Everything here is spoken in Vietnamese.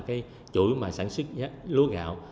cái chuỗi mà sản xuất lúa gạo